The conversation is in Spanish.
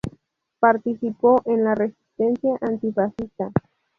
Participó en la resistencia antifascista.